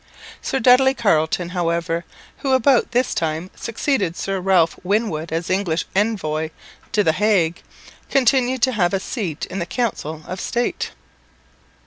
Sir Dudley Carleton, however, who about this time succeeded Sir Ralph Winwood as English envoy at the Hague, continued to have a seat in the Council of State.